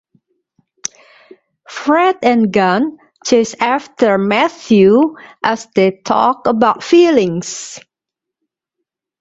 Fred and Gunn chase after Matthew as they talk about feelings.